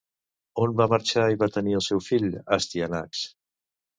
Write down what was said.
On va marxar i va tenir el seu fill Astíanax?